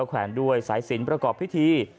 แขวนด้วยสายสินประกอบพิธี